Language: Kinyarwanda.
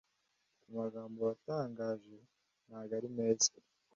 amagambo watangaje ntago ari meza